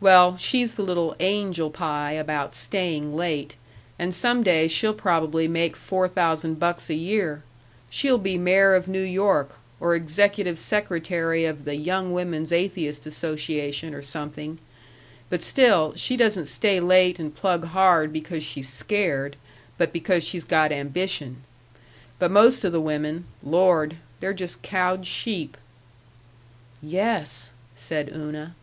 Well, she's the little angel pie about staying late, and some day she'll probably make four thousand bucks a year. She'll be mayor of New York, or executive secretary of the Young Women's Atheist Association or something. But still, she doesn't stay late and plug hard because she's scared, but because she's got ambition. But most of the women Lord! they're just cowed sheep." "Yes," said Una.